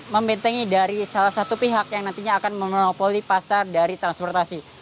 membentengi dari salah satu pihak yang nantinya akan memonopoli pasar dari transportasi